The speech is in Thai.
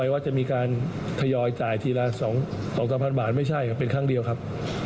ยืนยันครับเป็นครั้งเดียวครับ